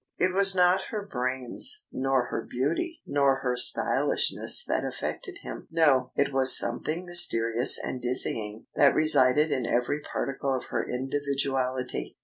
It was not her brains, nor her beauty, nor her stylishness that affected him. No! It was something mysterious and dizzying that resided in every particle of her individuality.